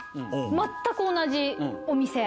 全く同じお店。